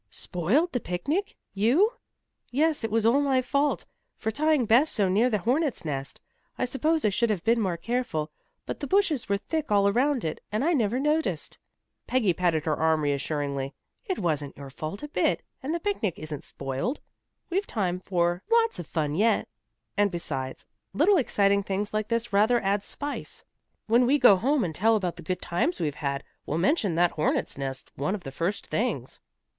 "Spoiled the picnic? You?" "Yes, it was all my fault, for tying Bess so near that hornets' nest. I suppose I should have been more careful, but the bushes were thick all around it, and I never noticed." Peggy patted her arm reassuringly. "It wasn't your fault a bit, and the picnic isn't spoiled. We've time for lots of fun yet, and besides, little exciting things like this rather add spice. When we go home and tell about the good times we've had, we'll mention that hornets' nest one of the first things."